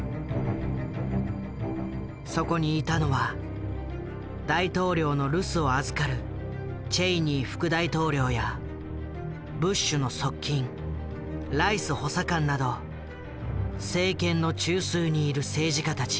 そこにいたのは大統領の留守を預かるチェイニー副大統領やブッシュの側近ライス補佐官など政権の中枢にいる政治家たち。